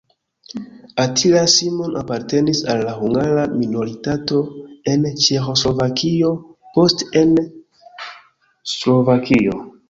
Attila Simon apartenis al la hungara minoritato en Ĉeĥoslovakio, poste en Slovakio.